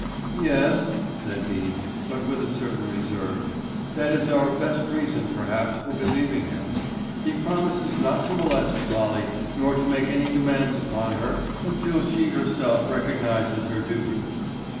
"Yes," said he; but with a certain reserve, "that is our best reason perhaps for believing him. He promises not to molest Polly, nor to make any demands upon her until she herself recognizes her duty."